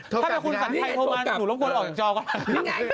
ถ้าเป็นคุณสัญชัยโทรมาหนูรับควรออกจอก่อน